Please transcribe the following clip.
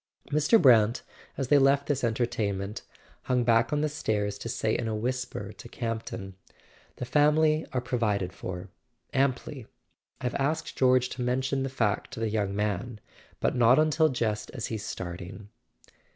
Mr. Brant, as they left this entertainment, hung back on the stairs to say in a whisper to Campton: "The family are provided for—amply. I've asked George to mention the fact to the young man; but not until just as he's starting."